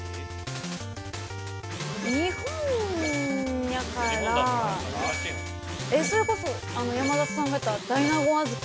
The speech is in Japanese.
◆日本やからそれこそ、山里さんが言った、大納言あずき？